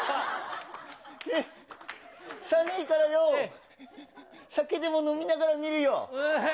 寒いからよう、酒でも飲みながら見るよ。